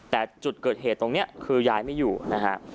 แต่จุดเกิดเหตุตรงนี้คือยายไม่อยู่นะฮะ